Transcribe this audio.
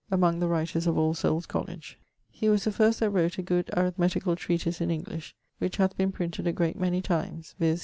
_, among the writers of All Soules College. He was the first that wrote a good arithmetical treatise in English, which hath been printed a great many times, viz.